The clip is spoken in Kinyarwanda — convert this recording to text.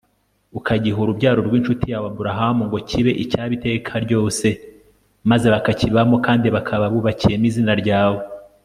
ukagiha urubyaro rwincuti yawe Aburahamu ngo kibe icyabo iteka ryose Maze bakakibamo kandi bakaba bubakiyemo izina ryawe